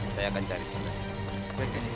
saya akan cari di sebelah sana